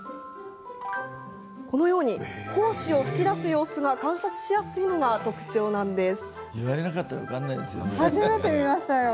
このように胞子を噴き出す様子が観察しやすいのが特徴です。